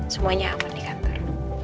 semuanya aman di kantor